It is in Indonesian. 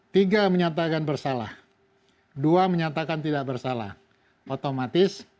tiga menyatakan bersalah dua menyatakan tidak bersalah otomatis